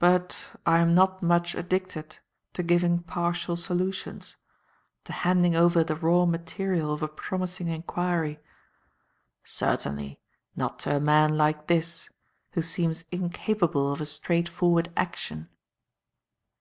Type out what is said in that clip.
But I am not much addicted to giving partial solutions to handing over the raw material of a promising inquiry. Certainly, not to a man like this, who seems incapable of a straight forward action."